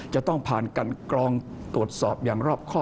จะต้องผ่านกันกรองตรวจสอบอย่างรอบข้อ